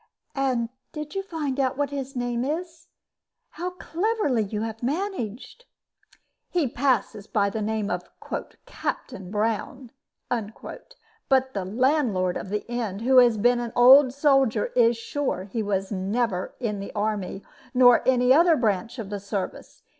"And did you find out what his name is? How cleverly you have managed!" "He passes by the name of 'Captain Brown;' but the landlord of his inn, who has been an old soldier, is sure he was never in the army, nor any other branch of the service.